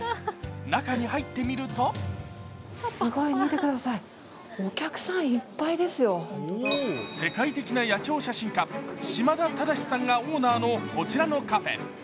中に入ってみると世界的な野鳥写真家、嶋田忠さんがオーナーのこちらのカフェ。